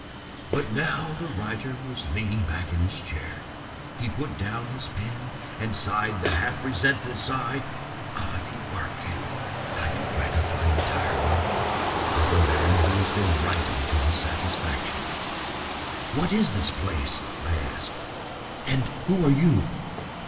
But now the writer was leaning back in his chair. He put down his pen and sighed the half resentful sigh—"ah! you, work, you! how you gratify and tire me!"—of a man who has been writing to his satisfaction. "What is this place," I asked, "and who are you?"